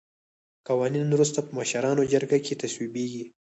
قوانین وروسته په مشرانو جرګه کې تصویبیږي.